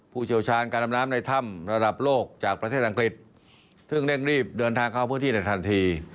เชี่ยวชาญการดำน้ำในถ้ำระดับโลกจากประเทศอังกฤษซึ่งเร่งรีบเดินทางเข้าพื้นที่ในทันที